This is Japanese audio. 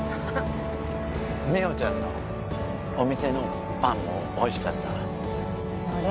美穂ちゃんのお店のパンもおいしかったそりゃ